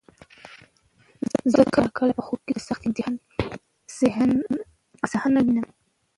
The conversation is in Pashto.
زه کله ناکله په خوب کې د سخت امتحان صحنه وینم.